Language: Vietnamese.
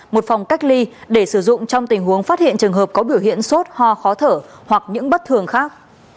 một phòng cách ly để sử dụng trong tình huống phát hiện trường hợp có biểu hiện sốt ho khó thở hoặc những bất thường khác